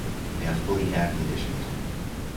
They are fully air-conditioned.